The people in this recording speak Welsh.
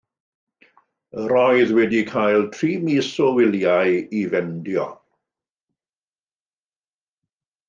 Yr oedd wedi cael tri mis o wyliau i fendio.